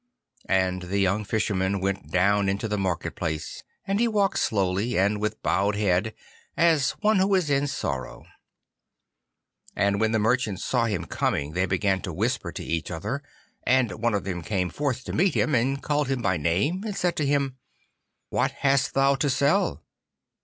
And the young Fisherman went down into the market place, and he walked slowly, and with bowed head, as one who is in sorrow. And when the merchants saw him coming, they began to whisper to each other, and one of them came forth to meet him, and called him by name, and said to him, 'What hast thou to sell?